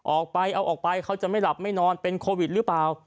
ออกไปเอาออกไปเขาจะไม่หลับไม่นอนเป็นโควิดหรือเปล่า